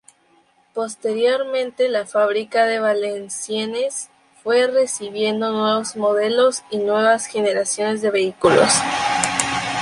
Posteriormente la fábrica de Valenciennes fue recibiendo nuevos modelos y nuevas generaciones de vehículos.